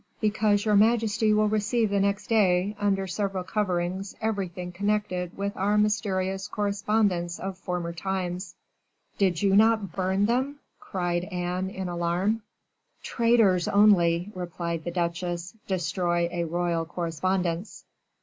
"Because your majesty will receive the next day, under several coverings, everything connected with our mysterious correspondence of former times." "Did you not burn them?" cried Anne, in alarm. "Traitors only," replied the duchesse, "destroy a royal correspondence."